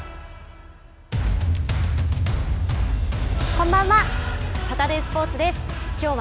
こんばんは。